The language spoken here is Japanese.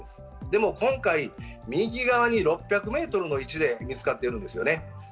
でも今回、右側に６００ｍの位置で見つかっているんですよね。